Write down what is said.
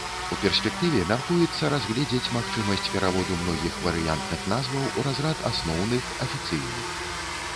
У перспектыве мяркуецца разгледзець магчымасць пераводу многіх варыянтных назваў у разрад асноўных, афіцыйных.